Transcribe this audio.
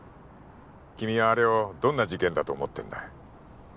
君はあれをどんな事件だと思ってんだ